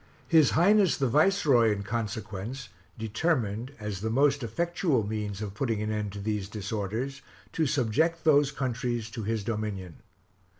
His Highness the Viceroy, in consequence, determined, as the most effectual means of putting an end to these disorders, to subject those countries to his dominion.